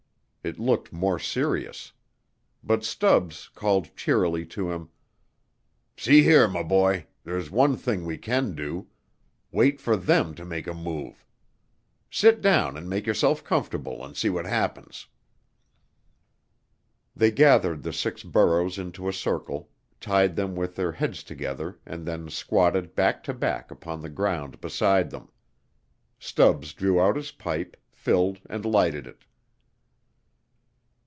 It looked more serious. But Stubbs called cheerily to him: "See here, m' boy, there's one thing we can do; wait for them to make a move. Sit down an' make yerself comfortable an' see what happens." They gathered the six burros into a circle, tied them with their heads together and then squatted back to back upon the ground beside them. Stubbs drew out his pipe, filled, and lighted it.